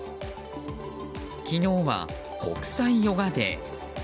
昨日は国際ヨガ・デー。